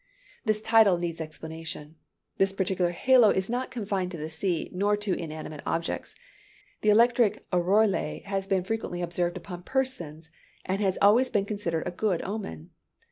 This title needs explanation. This peculiar halo is not confined to the sea, nor to inanimate objects. The electric aureole has been frequently observed upon persons, and has always been considered a good omen.